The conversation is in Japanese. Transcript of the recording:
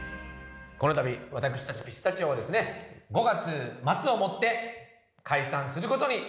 このたび私たちピスタチオはですね５月末をもって解散する事になりました。